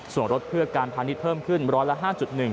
ส่วนรถเพื่อการพาณิชย์เพิ่มขึ้นร้อยละ๕๑